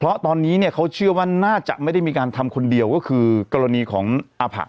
เพราะตอนนี้เนี่ยเขาเชื่อว่าน่าจะไม่ได้มีการทำคนเดียวก็คือกรณีของอภะ